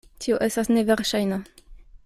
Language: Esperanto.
Tio estas neverŝajna.